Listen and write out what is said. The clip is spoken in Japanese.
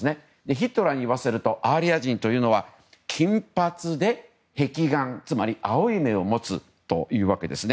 ヒトラーにいわせるとアーリア人というのは金髪で碧眼、つまり青い目を持つというわけです。